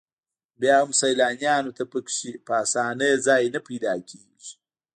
بیا هم سیلانیانو ته په کې په اسانۍ ځای نه پیدا کېږي.